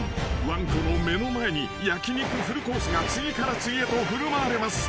わんこの目の前に焼き肉フルコースが次から次へと振る舞われます］